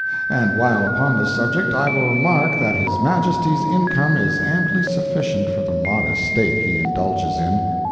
And while upon this subject I will remark that His Majesty's income is amply sufficient for the modest state he indulges in.